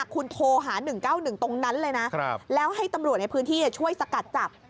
คุณโทรหา๑๙๑ตรงนั้นเลยนะแล้วให้ตำรวจในพื้นที่ช่วยสกัดจับ